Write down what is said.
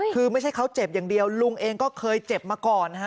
คือไม่ใช่เขาเจ็บอย่างเดียวลุงเองก็เคยเจ็บมาก่อนฮะ